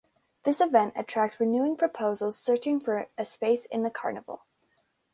This event attracts renewing proposals searching for an space in the carnival.